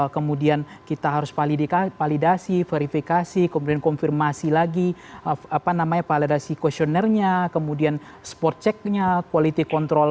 kemudian kita harus validasi verifikasi kemudian konfirmasi lagi validasi questionnairenya kemudian support checknya quality control